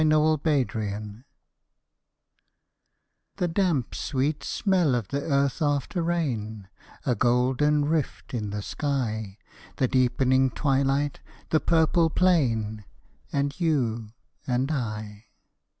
ONE EVENING The damp, sweet smell of the earth after rain, A golden rift in the sky, The deepening twilight, the purple plain, And you and I.